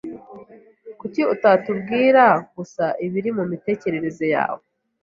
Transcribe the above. Kuki utatubwira gusa ibiri mumitekerereze yawe?